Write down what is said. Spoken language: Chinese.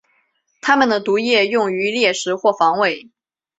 它们的毒液用于猎食或防卫。